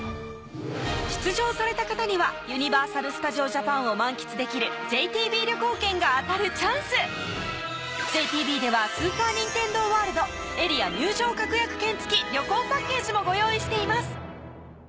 出場された方にはユニバーサル・スタジオ・ジャパンを満喫できるＪＴＢ旅行券が当たるチャンスＪＴＢではスーパー・ニンテンドー・ワールドエリア入場確約券付き旅行パッケージもご用意しています